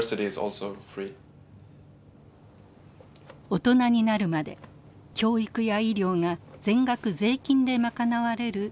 大人になるまで教育や医療が全額税金で賄われるスウェーデン。